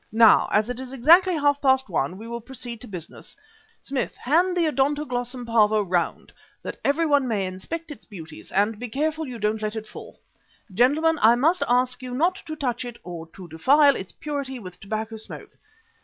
Now, as it is exactly half past one, we will proceed to business. Smith, hand the 'Odontoglossum Pavo' round, that everyone may inspect its beauties, and be careful you don't let it fall. Gentlemen, I must ask you not to touch it or to defile its purity with tobacco smoke.